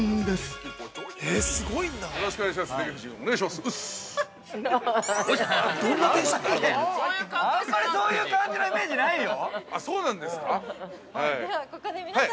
あんまりそういう感じのイメージないよ。